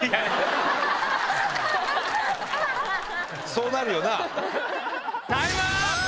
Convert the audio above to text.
そうなるよな。